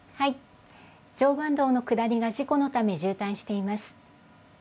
常磐道の下りが事故のため、渋滞しています。